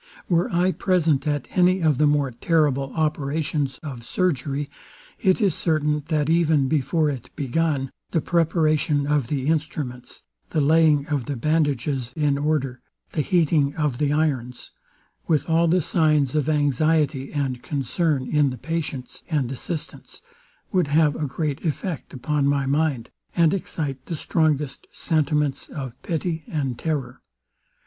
Were I present at any of the more terrible operations of surgery, it is certain, that even before it begun, the preparation of the instruments, the laying of the bandages in order, the heating of the irons, with all the signs of anxiety and concern in the patient and assistants, would have a great effect upon my mind, and excite the strongest sentiments of pity and terror.